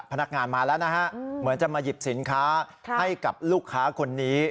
พนักงานมาแล้วนะฮะเหมือนจะมาหยิบสินค้าให้กับลูกค้าคนนี้